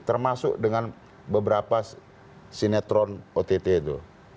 termasuk dengan beberapa sinetron ott itu